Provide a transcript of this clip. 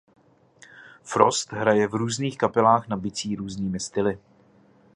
Frost hraje v různých kapelách na bicí různými styly.